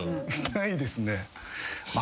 ないですよね。